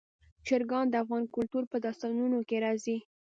چرګان د افغان کلتور په داستانونو کې راځي.